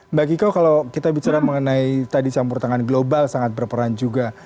mbak kiko kalau kita bicara mengenai tadi campur tangan global sangat berperan juga